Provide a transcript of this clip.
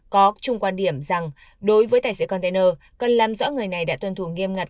có chung quan điểm rằng đối với tài xế container cần làm rõ người này đã tuân thủ nghiêm ngặt